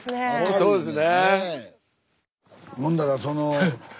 そうですね。